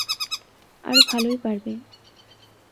আরো ভালোই পারবে।